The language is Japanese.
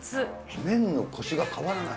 麺のこしが変わらない。